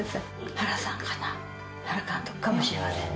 原さんかな、原監督かもしれませんね。